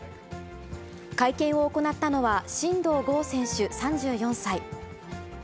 会見を行ったのは、真道ゴー選手３４歳。